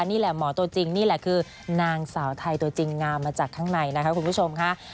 นี่แหละหมอตัวจริงนี่แหละคือนางสาวไทยตัวจริงงามมาจากข้างในนะคะคุณผู้ชมค่ะ